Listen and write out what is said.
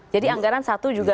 jadi anggaran satu juga